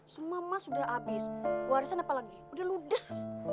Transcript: semua emas udah habis warisan apa lagi udah ludus